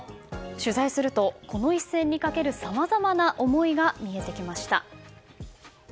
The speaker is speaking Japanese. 取材すると、この一戦にかけるさまざまな思いが見えてきました。